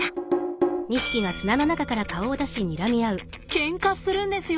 ケンカするんですよ！